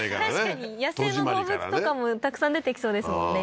確かに野生の動物とかもたくさん出てきそうですもんね